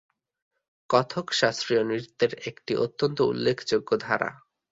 কথক শাস্ত্রীয় নৃত্যের একটি অত্যন্ত উল্লেখযোগ্য ধারা।